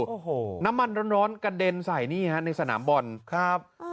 โอ้โหน้ำมันร้อนกระเด็นใส่นี่ฮะในสนามบอลครับ